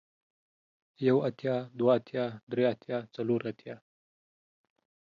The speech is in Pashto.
يو اتيا ، دوه اتيا ، دري اتيا ، څلور اتيا ،